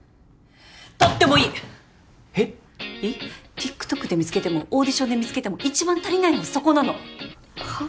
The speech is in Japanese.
ＴｉｋＴｏｋで見つけてもオーディションで見つけても一番足りないのはそこなのはっ？